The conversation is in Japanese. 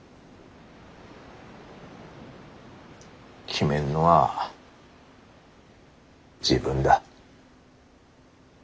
決めんのは自分だ。